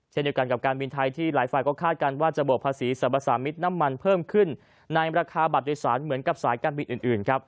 เช่นเดียวกันกับการบินไทยที่หลายฝ่ายก็คาดการณ์ว่าจะบวกภาษีสรรพสามิตรน้ำมันเพิ่มขึ้นในราคาบัตรโดยสารเหมือนกับสายการบินอื่นครับ